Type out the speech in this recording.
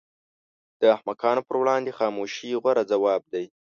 د احمقانو پر وړاندې خاموشي غوره ځواب دی.